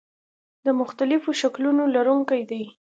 د مختلفو شکلونو لرونکي دي.